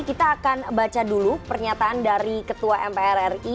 kita akan baca dulu pernyataan dari ketua mpr ri